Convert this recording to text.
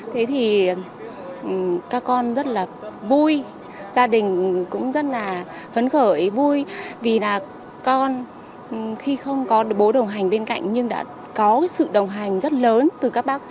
thế thì các con rất là vui gia đình cũng rất là hấn khởi vui vì là con khi không có bố đồng hành bên cạnh nhưng đã có sự đồng hành rất lớn từ bác lãnh đạo bộ xã hội